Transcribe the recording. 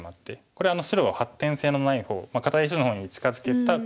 これ白を発展性のない碁堅い石の方に近づけた効果なんですね。